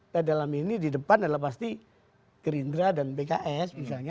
nah dalam ini di depan adalah pasti gerindra dan pks misalnya